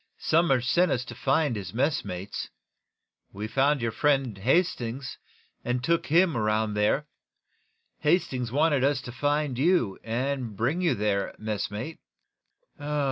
Somers sent us to find his messmates. We found your friend, Hastings, and took him around there. Hastings wanted us to find you, and bring you there, messmate."